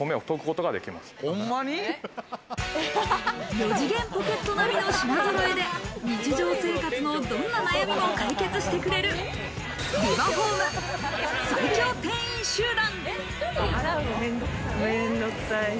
四次元ポケット並みの品揃えで、日常生活のどんな悩みも解決してくれるビバホーム最強店員集団。